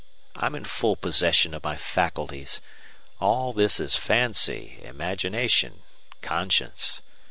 I'm in full possession of my faculties. All this is fancy imagination conscience.